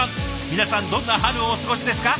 皆さんどんな春をお過ごしですか？